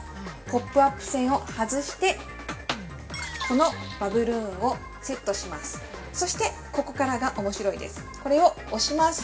ポップアップ栓を外してこのバブルーンをセットします。